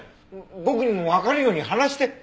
僕にもわかるように話して。